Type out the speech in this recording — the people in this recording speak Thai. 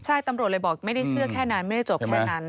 ใช่ตำรวจเลยบอกไม่ได้เชื่อแค่นั้นไม่ได้จบแค่นั้น